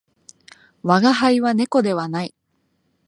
我が輩は猫ではない